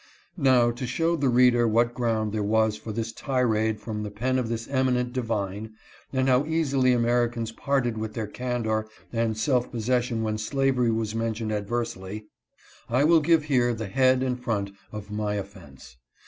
Now, to show the reader what ground there was for this tirade from the pen of this eminent divine, and how easily Americans parted with their candor and self pos session when slavery was mentioned adversely, I will give here the head and front of my offense.